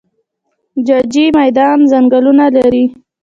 جاجي میدان ځنګلونه لري؟